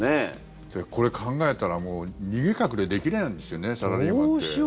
これ考えたら、もう逃げ隠れできないんですよねサラリーマンって。